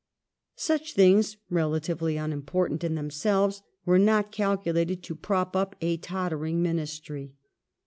Such things, relatively unimportant in themselves, were notResigna calculated to prop up a tottering Ministry.